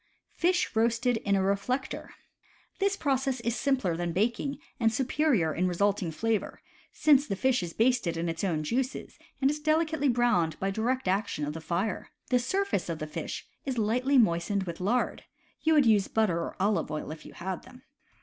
Fish Roasted in a Reflector. — This process is simpler than baking, and superior in resulting flavor, since the fish is basted in its own juices, and is delicately browned by direct action of the fire. The surface of the fish is lightly moistened with lard (you would use butter or olive oil if you had them).